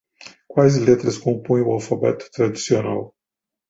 Quais letras compõem o alfabeto tradicional?